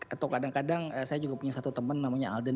atau kadang kadang saya juga punya satu teman namanya alden